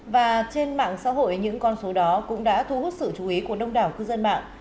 và trên mạng xã hội những con số đó cũng đã thu hút sự chú ý của đông đảo cư dân mạng